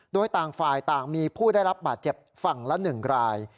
โดยต่างฝ่ายต่างมีผู้ได้รับบาดเจ็บฝั่งละ๑ราย